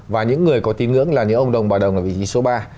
và những người có tin ngưỡng là những ông đồng bà đồng là vị trí số ba